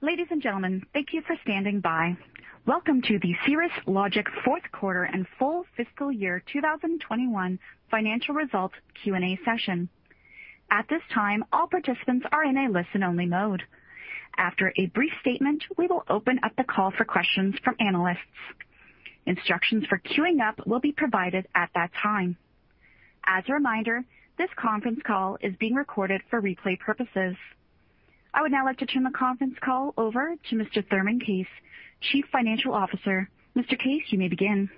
Ladies and gentlemen, thank you for standing by. Welcome to the Cirrus Logic Fourth Quarter and Full Fiscal Year 2021 Financial Results Q&A session. At this time, all participants are in a listen-only mode. After a brief statement, we will open up the call for questions from analysts. Instructions for queuing up will be provided at that time. As a reminder, this conference call is being recorded for replay purposes. I would now like to turn the conference call over to Mr. Thurman Case, Chief Financial Officer. Mr. Case, you may begin.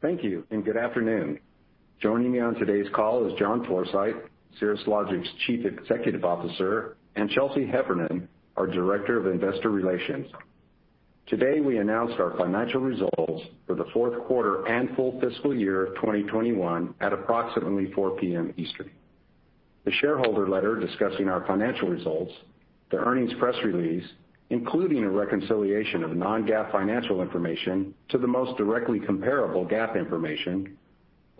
Thank you and good afternoon. Joining me on today's call is John Forsyth, Cirrus Logic's Chief Executive Officer, and Chelsea Heffernan, our Director of Investor Relations. Today, we announced our financial results for the fourth quarter and full fiscal year 2021 at approximately 4:00 P.M. Eastern. The shareholder letter discussing our financial results, the earnings press release, including a reconciliation of non-GAAP financial information to the most directly comparable GAAP information,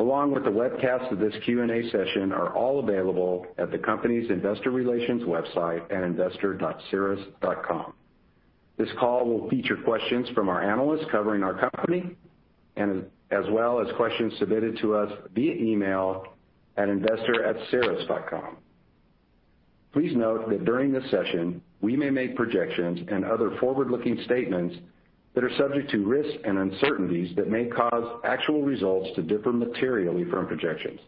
along with the webcast of this Q&A session, are all available at the company's Investor Relations website at investor.cirrus.com. This call will feature questions from our analysts covering our company, as well as questions submitted to us via email at investor@cirrus.com. Please note that during this session, we may make projections and other forward-looking statements that are subject to risks and uncertainties that may cause actual results to differ materially from projections.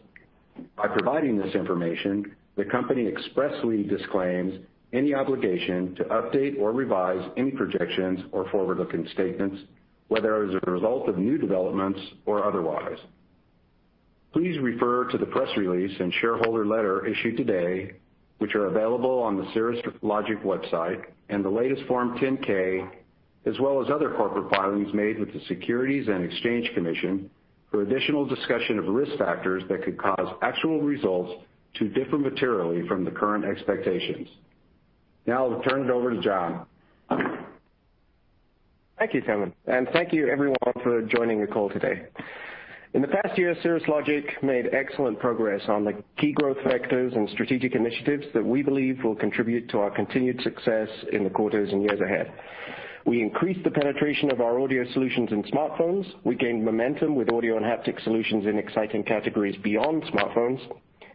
By providing this information, the company expressly disclaims any obligation to update or revise any projections or forward-looking statements, whether as a result of new developments or otherwise. Please refer to the press release and shareholder letter issued today, which are available on the Cirrus Logic website, and the latest Form 10-K, as well as other corporate filings made with the Securities and Exchange Commission for additional discussion of risk factors that could cause actual results to differ materially from the current expectations. Now, I'll turn it over to John. Thank you, Thurman, and thank you, everyone, for joining the call today. In the past year, Cirrus Logic made excellent progress on the key growth factors and strategic initiatives that we believe will contribute to our continued success in the quarters and years ahead. We increased the penetration of our audio solutions in smartphones. We gained momentum with audio and haptic solutions in exciting categories beyond smartphones,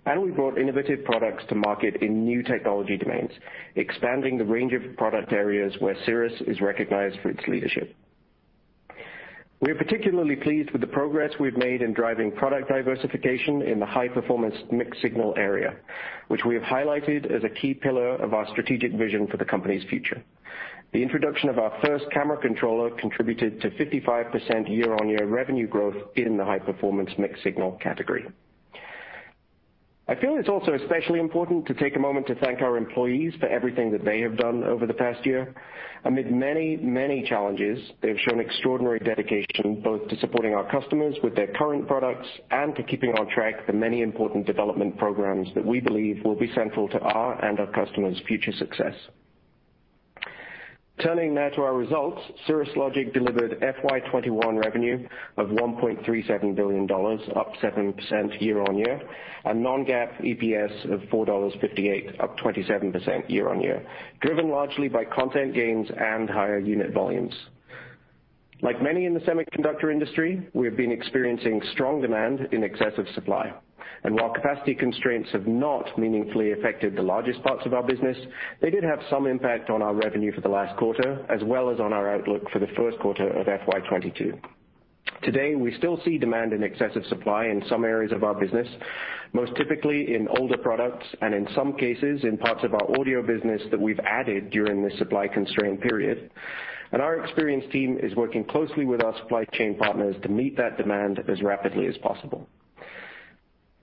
and we brought innovative products to market in new technology domains, expanding the range of product areas where Cirrus is recognized for its leadership. We are particularly pleased with the progress we've made in driving product diversification in the high-performance mixed signal area, which we have highlighted as a key pillar of our strategic vision for the company's future. The introduction of our first camera controller contributed to 55% year-on-year revenue growth in the high-performance mixed signal category. I feel it's also especially important to take a moment to thank our employees for everything that they have done over the past year. Amid many, many challenges, they've shown extraordinary dedication both to supporting our customers with their current products and to keeping on track the many important development programs that we believe will be central to our and our customers' future success. Turning now to our results, Cirrus Logic delivered FY 2021 revenue of $1.37 billion, up 7% year-on-year, and non-GAAP EPS of $4.58, up 27% year-on-year, driven largely by content gains and higher unit volumes. Like many in the semiconductor industry, we have been experiencing strong demand in excess of supply. While capacity constraints have not meaningfully affected the largest parts of our business, they did have some impact on our revenue for the last quarter, as well as on our outlook for the first quarter of FY 2022. Today, we still see demand in excess of supply in some areas of our business, most typically in older products and, in some cases, in parts of our audio business that we've added during this supply constraint period. Our experienced team is working closely with our supply chain partners to meet that demand as rapidly as possible.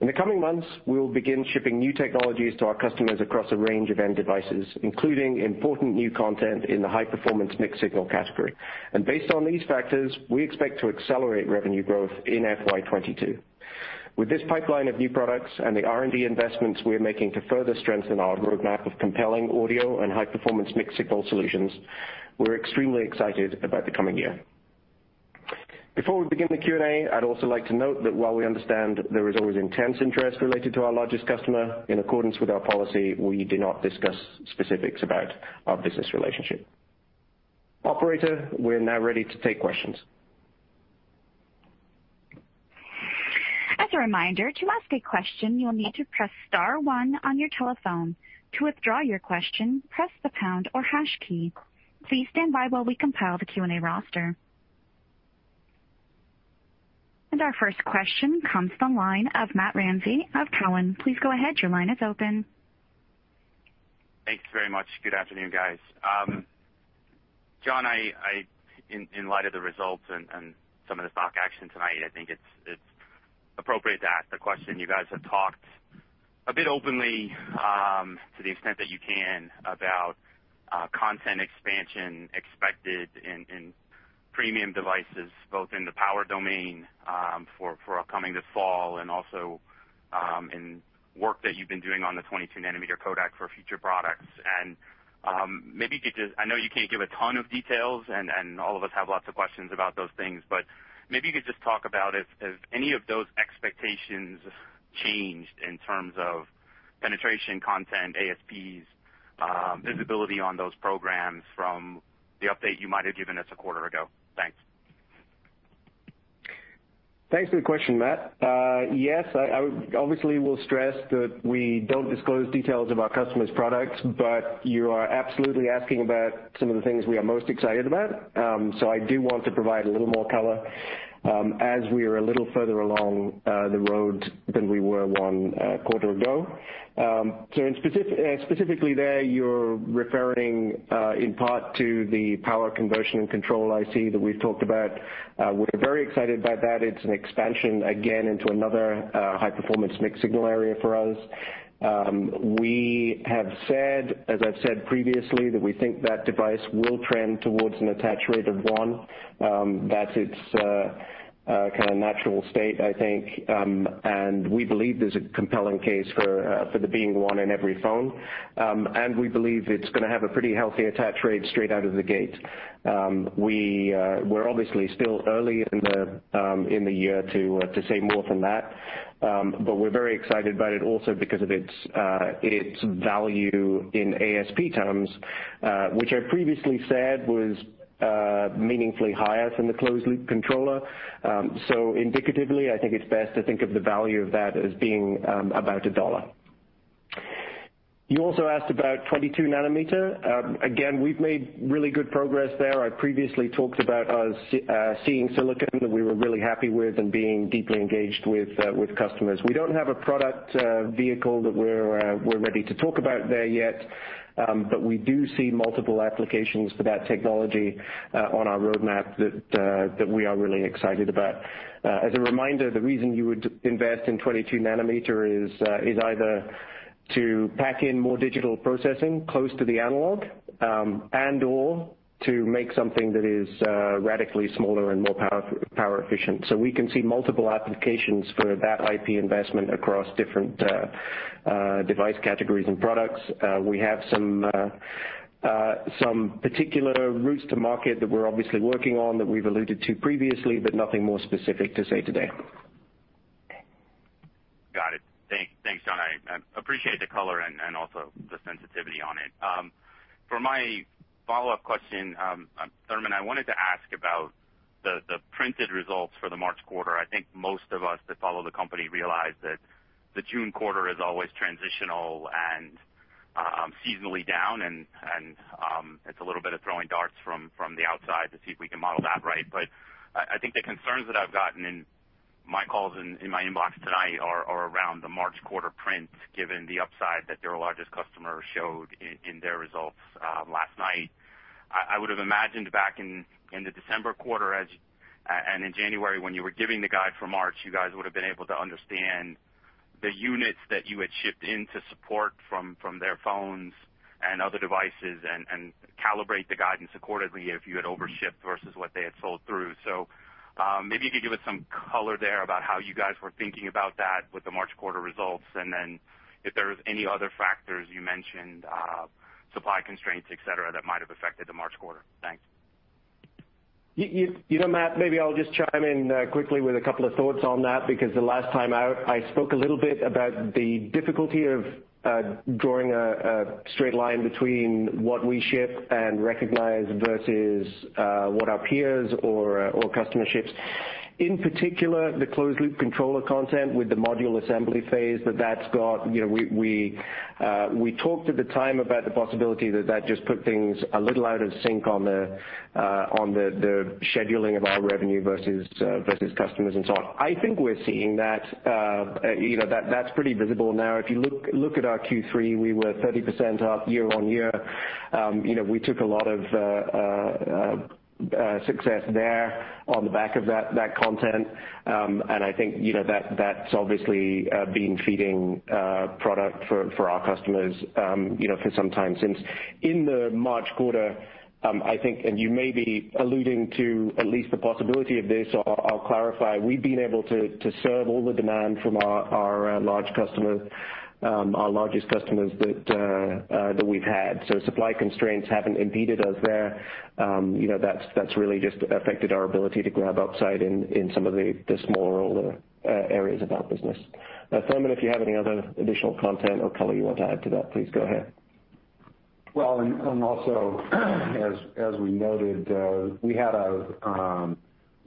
In the coming months, we will begin shipping new technologies to our customers across a range of end devices, including important new content in the high-performance mixed-signal category. Based on these factors, we expect to accelerate revenue growth in FY 2022. With this pipeline of new products and the R&D investments we are making to further strengthen our roadmap of compelling audio and high-performance mixed signal solutions, we're extremely excited about the coming year. Before we begin the Q&A, I'd also like to note that while we understand there is always intense interest related to our largest customer, in accordance with our policy, we do not discuss specifics about our business relationship. Operator, we're now ready to take questions. As a reminder, to ask a question, you'll need to press star one on your telephone. To withdraw your question, press the pound or hash key. Please stand by while we compile the Q&A roster. Our first question comes from the line of Matt Ramsay of Cowen. Please go ahead. Your line is open. Thanks very much. Good afternoon, guys. John, in light of the results and some of the stock action tonight, I think it's appropriate to ask the question. You guys have talked a bit openly, to the extent that you can, about content expansion expected in premium devices, both in the power domain for upcoming this fall and also in work that you've been doing on the 22-nanometer codec for future products, and maybe you could just, I know you can't give a ton of details, and all of us have lots of questions about those things, but maybe you could just talk about if any of those expectations changed in terms of penetration, content, ASPs, visibility on those programs from the update you might have given us a quarter ago. Thanks. Thanks for the question, Matt. Yes, I obviously will stress that we don't disclose details of our customers' products, but you are absolutely asking about some of the things we are most excited about. So I do want to provide a little more color as we are a little further along the road than we were one quarter ago. So specifically there, you're referring in part to the power conversion and control IC that we've talked about. We're very excited about that. It's an expansion again into another high-performance mixed signal area for us. We have said, as I've said previously, that we think that device will trend towards an attach rate of one. That's its kind of natural state, I think. And we believe there's a compelling case for there being one in every phone. We believe it's going to have a pretty healthy attach rate straight out of the gate. We're obviously still early in the year to say more than that. We're very excited about it also because of its value in ASP terms, which I previously said was meaningfully higher than the closed-loop controller. Indicatively, I think it's best to think of the value of that as being about $1. You also asked about 22-nanometer. Again, we've made really good progress there. I previously talked about us seeing silicon that we were really happy with and being deeply engaged with customers. We don't have a product vehicle that we're ready to talk about there yet, but we do see multiple applications for that technology on our roadmap that we are really excited about. As a reminder, the reason you would invest in 22-nanometer is either to pack in more digital processing close to the analog and/or to make something that is radically smaller and more power efficient. So we can see multiple applications for that IP investment across different device categories and products. We have some particular routes to market that we're obviously working on that we've alluded to previously, but nothing more specific to say today. Got it. Thanks, John. I appreciate the color and also the sensitivity on it. For my follow-up question, Thurman, I wanted to ask about the printed results for the March quarter. I think most of us that follow the company realize that the June quarter is always transitional and seasonally down, and it's a little bit of throwing darts from the outside to see if we can model that right. But I think the concerns that I've gotten in my calls in my inbox tonight are around the March quarter print, given the upside that their largest customer showed in their results last night. I would have imagined back in the December quarter and in January when you were giving the guide for March, you guys would have been able to understand the units that you had shipped in to support from their phones and other devices and calibrate the guidance accordingly if you had overshipped versus what they had sold through. So maybe you could give us some color there about how you guys were thinking about that with the March quarter results, and then if there were any other factors you mentioned, supply constraints, etc., that might have affected the March quarter. Thanks. You know, Matt, maybe I'll just chime in quickly with a couple of thoughts on that because the last time out, I spoke a little bit about the difficulty of drawing a straight line between what we ship and recognize versus what our peers or customers ship. In particular, the closed-loop controller content with the module assembly phase that's got, we talked at the time about the possibility that that just put things a little out of sync on the scheduling of our revenue versus customers and so on. I think we're seeing that that's pretty visible now. If you look at our Q3, we were 30% up year-on-year. We took a lot of success there on the back of that content, and I think that's obviously been feeding product for our customers for some time since. In the March quarter, I think, and you may be alluding to at least the possibility of this. I'll clarify. We've been able to serve all the demand from our large customers, our largest customers that we've had. So supply constraints haven't impeded us there. That's really just affected our ability to grab upside in some of the smaller areas of our business. Thurman, if you have any other additional content or color you want to add to that, please go ahead. Well, and also, as we noted, we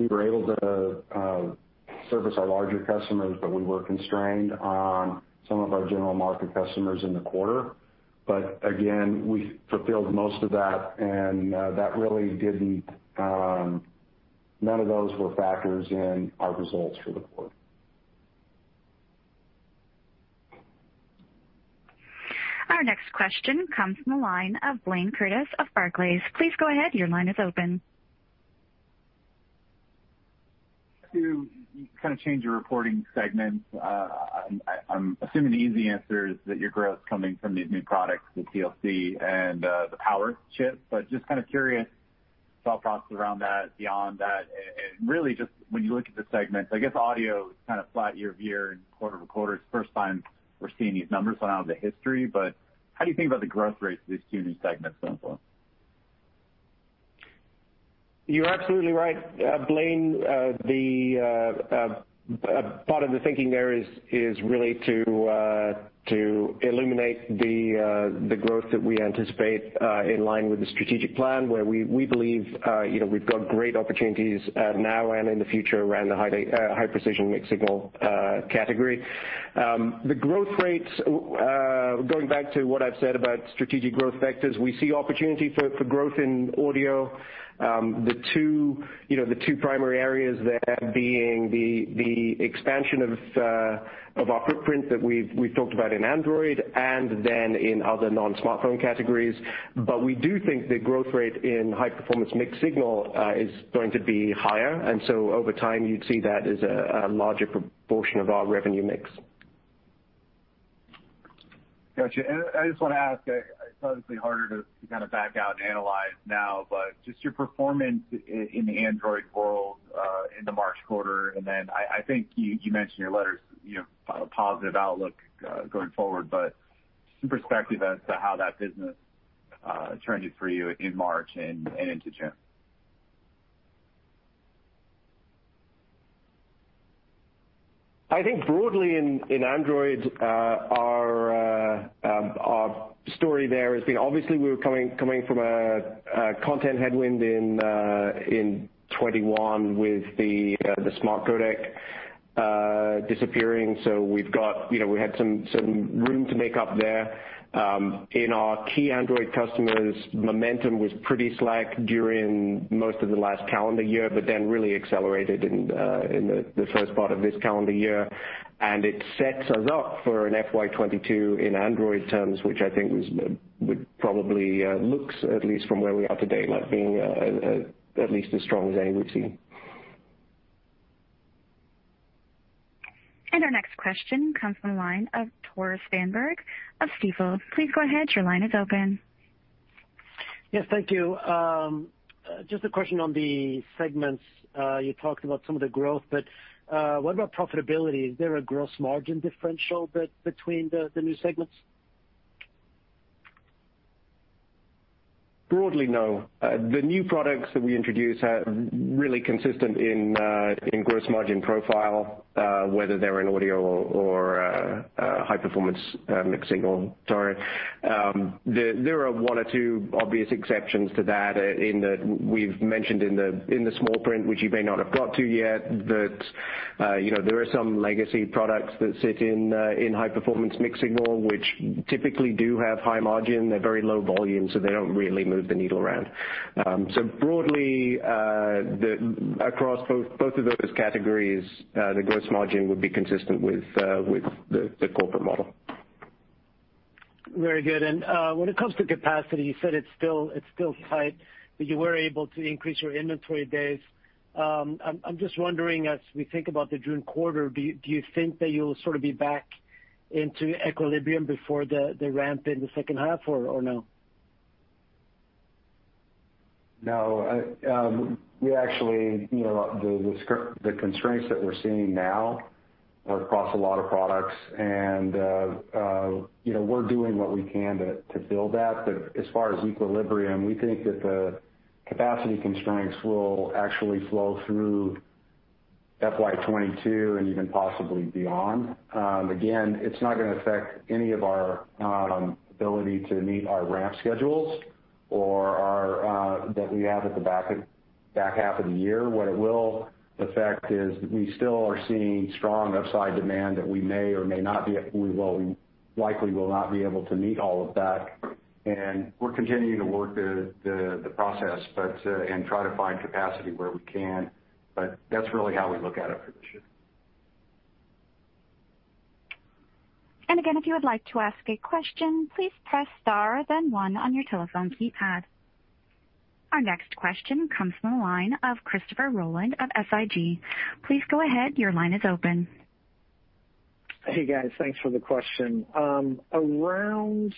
were able to service our larger customers, but we were constrained on some of our general market customers in the quarter. But again, we fulfilled most of that, and that really didn't. None of those were factors in our results for the quarter. Our next question comes from the line of Blayne Curtis of Barclays. Please go ahead. Your line is open. To kind of change your reporting segment, I'm assuming the easy answer is that your growth is coming from these new products, the CLC and the power chip, but just kind of curious thought process around that beyond that, and really, just when you look at the segments, I guess audio is kind of flat year-to-year and quarter-to-quarter is the first time we're seeing these numbers one out of the history, but how do you think about the growth rates of these two new segments going forward? You're absolutely right, Blayne. Part of the thinking there is really to illuminate the growth that we anticipate in line with the strategic plan, where we believe we've got great opportunities now and in the future around the high-precision mixed signal category. The growth rates, going back to what I've said about strategic growth factors, we see opportunity for growth in audio. The two primary areas there being the expansion of our footprint that we've talked about in Android and then in other non-smartphone categories. But we do think the growth rate in high-performance mixed signal is going to be higher. And so over time, you'd see that as a larger proportion of our revenue mix. Gotcha. And I just want to ask - it's obviously harder to kind of back out and analyze now - but just your performance in the Android world in the March quarter. And then I think you mentioned your letter's positive outlook going forward, but just some perspective as to how that business trended for you in March and into June. I think broadly in Android, our story there has been obviously we were coming from a content headwind in 2021 with the smart codec disappearing. So we had some room to make up there. In our key Android customers, momentum was pretty slack during most of the last calendar year, but then really accelerated in the first part of this calendar year. And it sets us up for an FY 2022 in Android terms, which I think would probably look, at least from where we are today, like being at least as strong as any we've seen. Our next question comes from the line of Tore Svanberg of Stifel. Please go ahead. Your line is open. Yes, thank you. Just a question on the segments. You talked about some of the growth, but what about profitability? Is there a gross margin differential between the new segments? Broadly, no. The new products that we introduced are really consistent in gross margin profile, whether they're in audio or high-performance mixed-signal. Sorry. There are one or two obvious exceptions to that in that we've mentioned in the small print, which you may not have got to yet, that there are some legacy products that sit in high-performance mixed-signal, which typically do have high margin. They're very low volume, so they don't really move the needle around. So broadly, across both of those categories, the gross margin would be consistent with the corporate model. Very good. And when it comes to capacity, you said it's still tight, but you were able to increase your inventory days. I'm just wondering, as we think about the June quarter, do you think that you'll sort of be back into equilibrium before the ramp in the second half or no? No. We actually, the constraints that we're seeing now are across a lot of products, and we're doing what we can to fill that, but as far as equilibrium, we think that the capacity constraints will actually flow through FY 2022 and even possibly beyond. Again, it's not going to affect any of our ability to meet our ramp schedules that we have at the back half of the year. What it will affect is we still are seeing strong upside demand that we may or may not be, we likely will not be able to meet all of that, and we're continuing to work the process and try to find capacity where we can, but that's really how we look at it for this year. And again, if you would like to ask a question, please press star, then one on your telephone keypad. Our next question comes from the line of Christopher Rolland of SIG. Please go ahead. Your line is open. Hey, guys. Thanks for the question. Around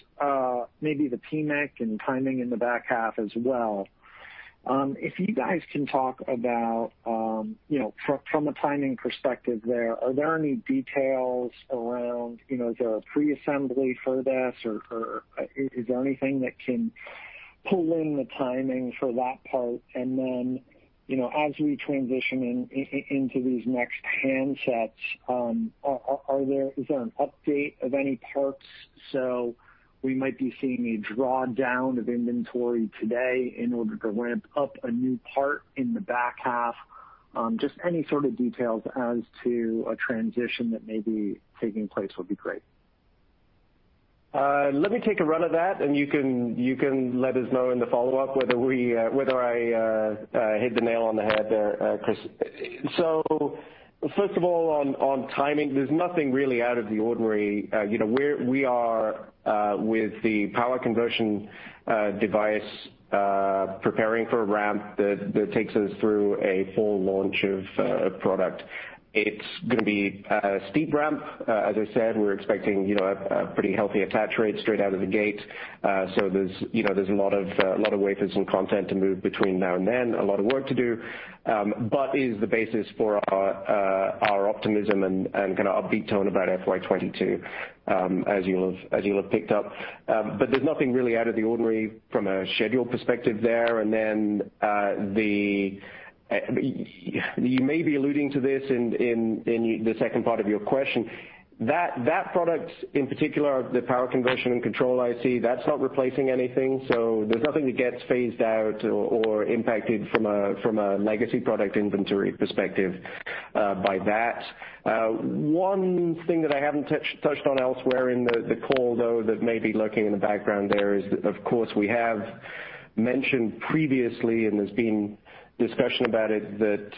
maybe the PMIC and timing in the back half as well, if you guys can talk about from a timing perspective there, are there any details around? Is there a pre-assembly for this? Or is there anything that can pull in the timing for that part? And then as we transition into these next handsets, is there an update of any parts? So we might be seeing a drawdown of inventory today in order to ramp up a new part in the back half. Just any sort of details as to a transition that may be taking place would be great. Let me take a run at that, and you can let us know in the follow-up whether I hit the nail on the head, Chris. So first of all, on timing, there's nothing really out of the ordinary. We are with the power conversion device preparing for a ramp that takes us through a full launch of product. It's going to be a steep ramp. As I said, we're expecting a pretty healthy attach rate straight out of the gate. So there's a lot of wafers and content to move between now and then, a lot of work to do, but is the basis for our optimism and kind of upbeat tone about FY 2022, as you'll have picked up. But there's nothing really out of the ordinary from a schedule perspective there. And then you may be alluding to this in the second part of your question. That product in particular, the Power conversion and control IC, that's not replacing anything. So there's nothing that gets phased out or impacted from a legacy product inventory perspective by that. One thing that I haven't touched on elsewhere in the call, though, that may be lurking in the background there is that, of course, we have mentioned previously, and there's been discussion about it, that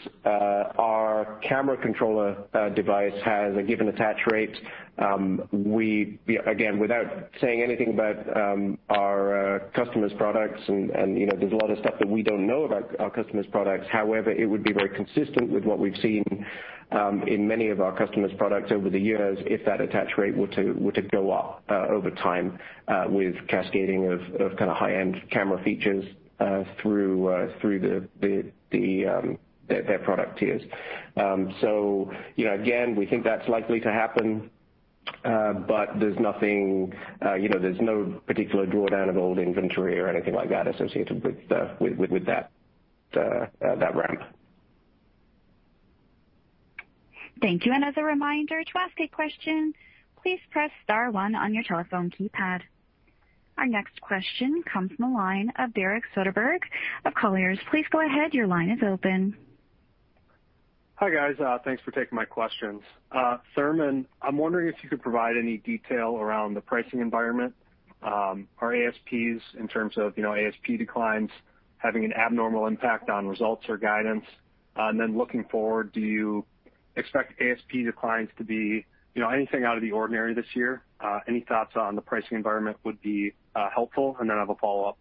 our Camera controller device has a given attach rate. Again, without saying anything about our customers' products, and there's a lot of stuff that we don't know about our customers' products. However, it would be very consistent with what we've seen in many of our customers' products over the years if that attach rate were to go up over time with cascading of kind of high-end camera features through their product tiers. So again, we think that's likely to happen, but there's no particular drawdown of old inventory or anything like that associated with that ramp. Thank you. And as a reminder, to ask a question, please press star one on your telephone keypad. Our next question comes from the line of Derek Soderberg of Colliers. Please go ahead. Your line is open. Hi guys. Thanks for taking my questions. Thurman, I'm wondering if you could provide any detail around the pricing environment, our ASPs in terms of ASP declines having an abnormal impact on results or guidance, and then looking forward, do you expect ASP declines to be anything out of the ordinary this year? Any thoughts on the pricing environment would be helpful, and then I have a follow-up.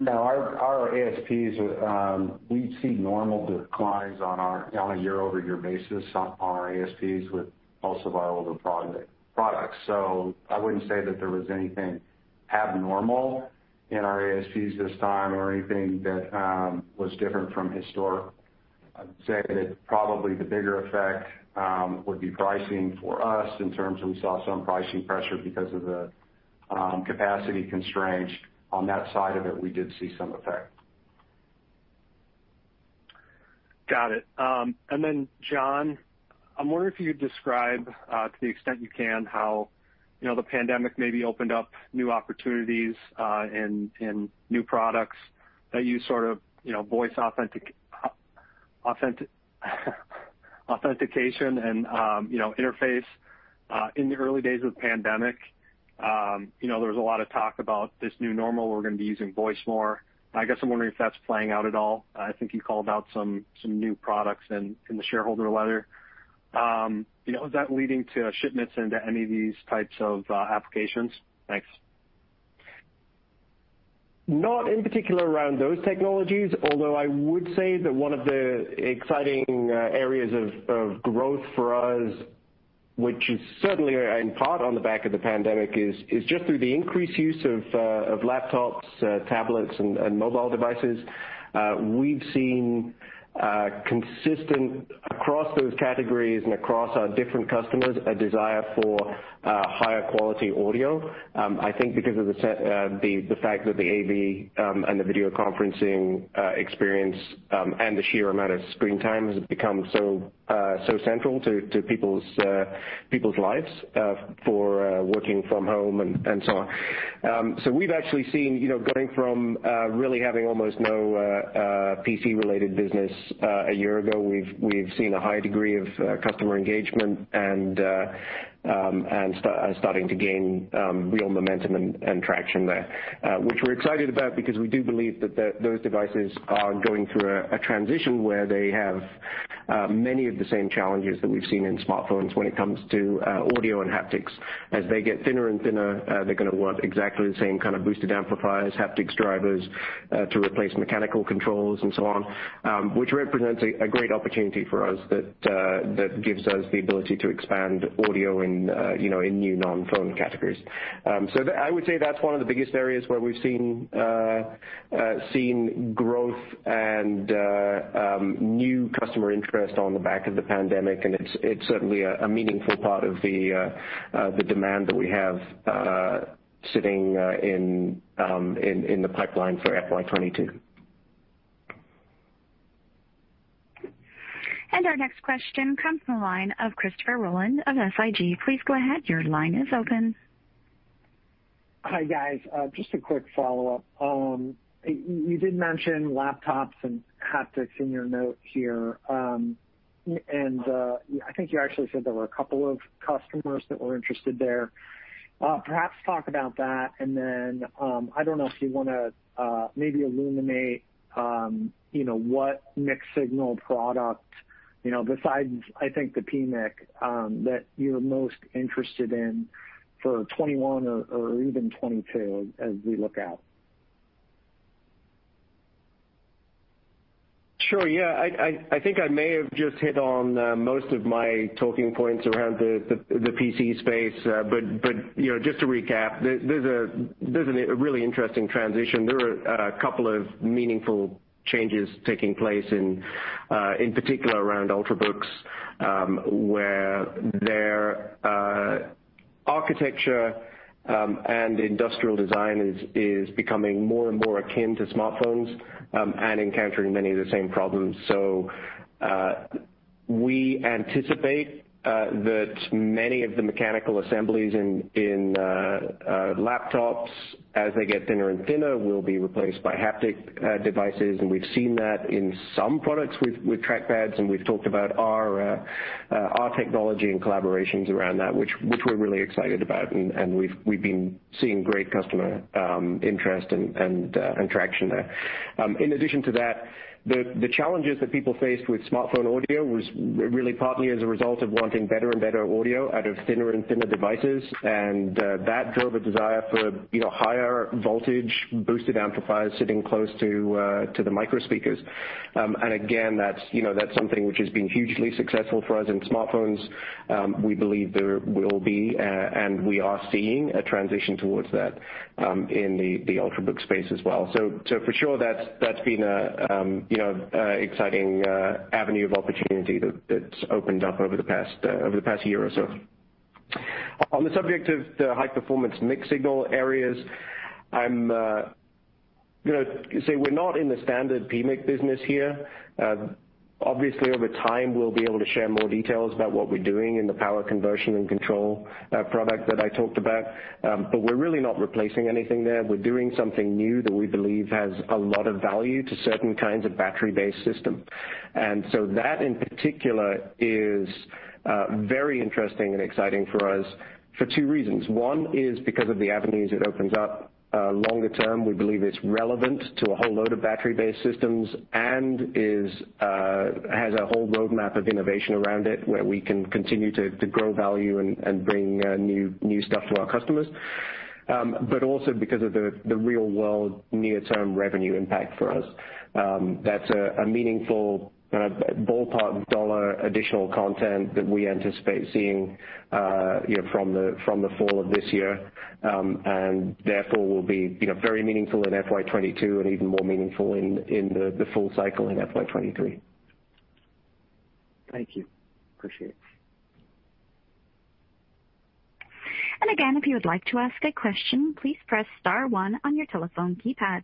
No. Our ASPs, we see normal declines on a year-over-year basis on our ASPs with most of our older products, so I wouldn't say that there was anything abnormal in our ASPs this time or anything that was different from historic. I'd say that probably the bigger effect would be pricing for us in terms of we saw some pricing pressure because of the capacity constraints. On that side of it, we did see some effect. Got it. And then, John, I'm wondering if you could describe to the extent you can how the pandemic maybe opened up new opportunities and new products that you sort of voice authentication and interface? In the early days of the pandemic, there was a lot of talk about this new normal. We're going to be using voice more. I guess I'm wondering if that's playing out at all. I think you called out some new products in the shareholder letter. Is that leading to shipments into any of these types of applications? Thanks. Not in particular around those technologies, although I would say that one of the exciting areas of growth for us, which is certainly in part on the back of the pandemic, is just through the increased use of laptops, tablets, and mobile devices. We've seen consistent across those categories and across our different customers a desire for higher quality audio. I think because of the fact that the AV and the video conferencing experience and the sheer amount of screen time has become so central to people's lives for working from home and so on. So we've actually seen going from really having almost no PC-related business a year ago, we've seen a high degree of customer engagement and starting to gain real momentum and traction there, which we're excited about because we do believe that those devices are going through a transition where they have many of the same challenges that we've seen in smartphones when it comes to audio and haptics. As they get thinner and thinner, they're going to want exactly the same kind of boosted amplifiers, haptics drivers to replace mechanical controls, and so on, which represents a great opportunity for us that gives us the ability to expand audio in new non-phone categories. So I would say that's one of the biggest areas where we've seen growth and new customer interest on the back of the pandemic. It's certainly a meaningful part of the demand that we have sitting in the pipeline for FY 2022. And our next question comes from the line of Christopher Rolland of SIG. Please go ahead. Your line is open. Hi guys. Just a quick follow-up. You did mention laptops and haptics in your note here, and I think you actually said there were a couple of customers that were interested there. Perhaps talk about that, and then I don't know if you want to maybe illuminate what mixed signal product besides, I think, the PMIC that you're most interested in for 2021 or even 2022 as we look out. Sure. Yeah, I think I may have just hit on most of my talking points around the PC space, but just to recap, there's a really interesting transition. There were a couple of meaningful changes taking place, in particular around Ultrabooks, where their architecture and industrial design is becoming more and more akin to smartphones and encountering many of the same problems, so we anticipate that many of the mechanical assemblies in laptops, as they get thinner and thinner, will be replaced by haptic devices, and we've seen that in some products with trackpads. And we've talked about our technology and collaborations around that, which we're really excited about, and we've been seeing great customer interest and traction there. In addition to that, the challenges that people faced with smartphone audio was really partly as a result of wanting better and better audio out of thinner and thinner devices. And that drove a desire for higher voltage boosted amplifiers sitting close to the microspeakers. And again, that's something which has been hugely successful for us in smartphones. We believe there will be, and we are seeing a transition towards that in the Ultrabook space as well. So for sure, that's been an exciting avenue of opportunity that's opened up over the past year or so. On the subject of the high-performance mixed signal areas, I'm going to say we're not in the standard PMIC business here. Obviously, over time, we'll be able to share more details about what we're doing in the power conversion and control product that I talked about. But we're really not replacing anything there. We're doing something new that we believe has a lot of value to certain kinds of battery-based systems. And so that, in particular, is very interesting and exciting for us for two reasons. One is because of the avenues it opens up longer term. We believe it's relevant to a whole load of battery-based systems and has a whole roadmap of innovation around it where we can continue to grow value and bring new stuff to our customers. But also because of the real-world near-term revenue impact for us. That's a meaningful ballpark dollar additional content that we anticipate seeing from the fall of this year. And therefore, will be very meaningful in FY 2022 and even more meaningful in the full cycle in FY 2023. Thank you. Appreciate it. Again, if you would like to ask a question, please press star one on your telephone keypad.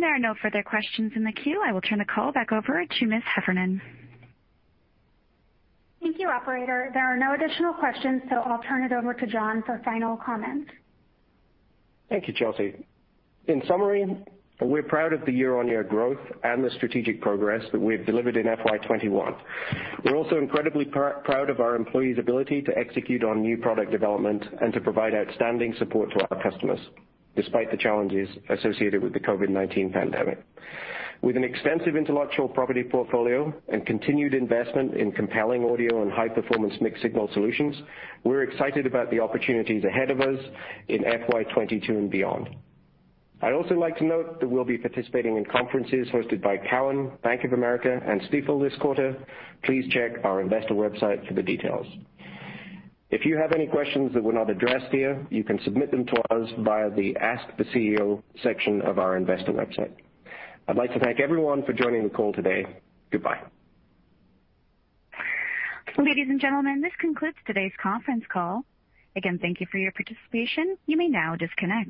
There are no further questions in the queue. I will turn the call back over to Ms. Heffernan. Thank you, Operator. There are no additional questions, so I'll turn it over to John for final comment. Thank you, Chelsea. In summary, we're proud of the year-on-year growth and the strategic progress that we've delivered in FY 2021. We're also incredibly proud of our employees' ability to execute on new product development and to provide outstanding support to our customers despite the challenges associated with the COVID-19 pandemic. With an extensive intellectual property portfolio and continued investment in compelling audio and high-performance mixed-signal solutions, we're excited about the opportunities ahead of us in FY 2022 and beyond. I'd also like to note that we'll be participating in conferences hosted by Cowen, Bank of America, and Stifel this quarter. Please check our investor website for the details. If you have any questions that were not addressed here, you can submit them to us via the Ask the CEO section of our investor website. I'd like to thank everyone for joining the call today. Goodbye. Ladies and gentlemen, this concludes today's conference call. Again, thank you for your participation. You may now disconnect.